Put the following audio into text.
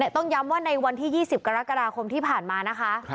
ต้องย้ำว่าในวันที่๒๐กรกฎาคมที่ผ่านมานะคะ